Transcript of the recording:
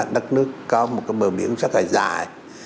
đất nước có một cái bờ biển rất là dài